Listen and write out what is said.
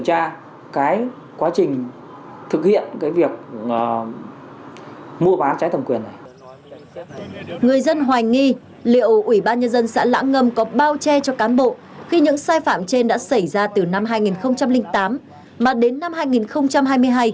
các giấy phạm trên đã xảy ra từ năm hai nghìn tám mà đến năm hai nghìn hai mươi hai